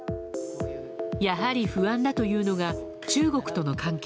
やはり不安だというのが中国との関係。